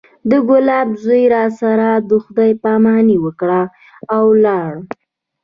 د ګلاب زوى راسره خداى پاماني وکړه او ولاړ.